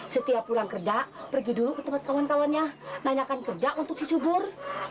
setiap pulang kerja pergi dulu ke tempat kawan kawannya nanyakan kerja untuk cisyukur